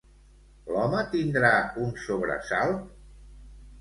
L'home tindrà un sobresalt?